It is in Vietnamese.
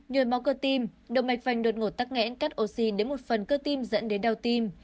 nhồi máu cơ tim động mạch vành đột ngột tắc nghẽn cắt oxy đến một phần cơ tim dẫn đến đau tim